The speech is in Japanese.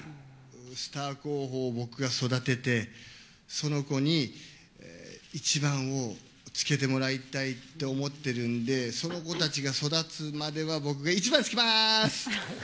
スター候補を僕が育てて、その子に１番をつけてもらいたいって思ってるんで、その子たちが育つまでは、僕が１番つけまーす！